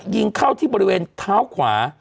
ยิงเข้าที่บริเวณเท้าขวา